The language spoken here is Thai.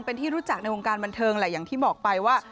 เป็นที่รู้จักในวงการบันเทิงแหละอย่างที่บอกไปว่า